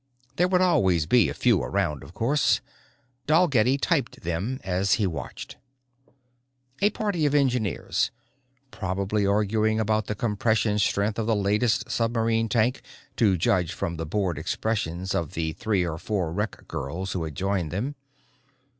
There would always be a few around, of course Dalgetty typed them as he watched. A party of engineers, probably arguing about the compression strength of the latest submarine tank to judge from the bored expressions of the three or four rec girls who had joined them.